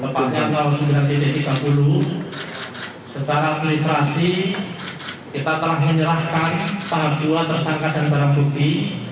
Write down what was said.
pada tahun seribu sembilan ratus tiga puluh setelah penelisrasi kita telah menyerahkan tanggung jawab tersangka dan barang bukti